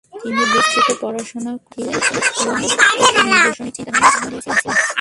তিনি বিস্তর পড়াশোনা করেছিলেন এবং একটি নিজস্ব দার্শনিক চিন্তাধারার জন্মও দিয়েছিলেন।